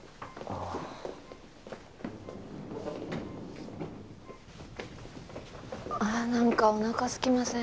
ああなんかおなかすきません？